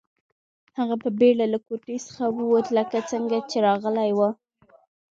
هغه په بیړه له کوټې څخه ووت لکه څنګه چې راغلی و